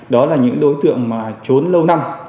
đó là những đối tượng mà trốn lâu năm